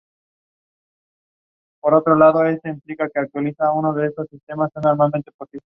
De hecho, esta institución sería el primer servicio meteorológico real que hubo en Asia.